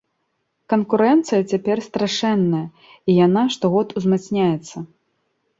Канкурэнцыя цяпер страшэнная і яна штогод узмацняецца.